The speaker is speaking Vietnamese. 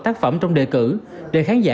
tác phẩm trong đề cử để khán giả